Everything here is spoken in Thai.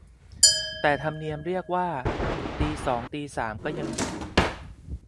แต่ธรรมเนียมเรียกว่าตีสองตีสามก็ยังอยู่